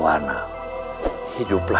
yang tidak boleh kita c partai